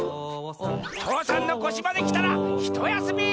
父山のこしまできたらひとやすみ！